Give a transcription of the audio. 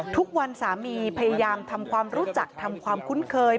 ทุกวันสามีพยายามทำความรู้จักทำความคุ้นเคย